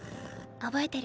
覚えてる。